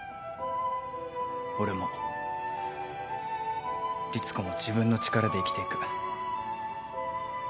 俺もリツコも自分の力で生きていく。